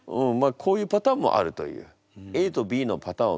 こういうパターンもあるという。